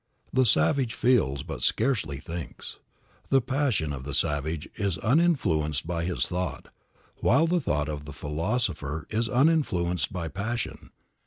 The savage feels, but scarcely thinks. The passion of the savage is uninfluenced by his thought, while the thought of the philosopher is uninfluenced by passion.